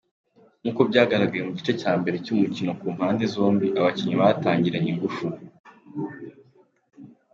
Nkuko byagaragaye mu gice cya mbere cy’umukino, ku mpande zombie, abakinnyi batangiranye ingufu .